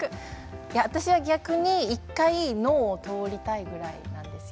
私は逆に、１回脳を通りたいぐらいなんです。